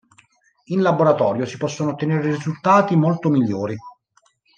In laboratorio si possono ottenere risultati molto migliori.